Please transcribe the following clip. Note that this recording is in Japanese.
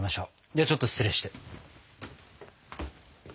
ではちょっと失礼して。